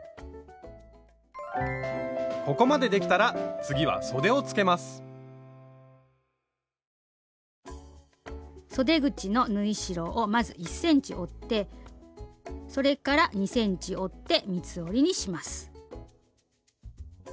ここまでできたら次はそで口の縫い代をまず１ｃｍ折ってそれから２ｃｍ折って三つ折りにします。